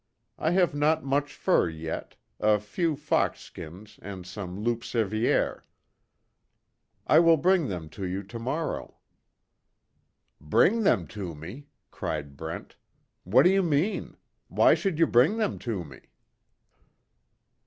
I have not much fur yet a few fox skins, and some loup cervier. I will bring them to you tomorrow." "Bring them to me!" cried Brent, "What do you mean? Why should you bring them to me?"